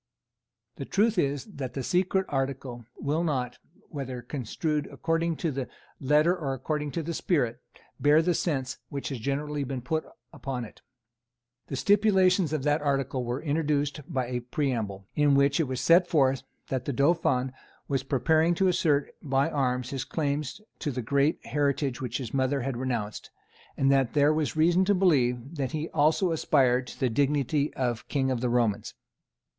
The truth is that the secret article will not, whether construed according to the letter or according to the spirit, bear the sense which has generally been put upon it. The stipulations of that article were introduced by a preamble, in which it was set forth that the Dauphin was preparing to assert by arms his claim to the great heritage which his mother had renounced, and that there was reason to believe that he also aspired to the dignity of King of the Romans.